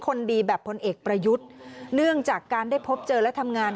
คนดีแบบพลเอกประยุทธ์เนื่องจากการได้พบเจอและทำงาน